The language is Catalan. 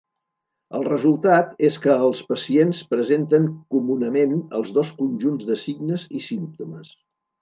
El resultat és que els pacients presenten comunament els dos conjunts de signes i símptomes.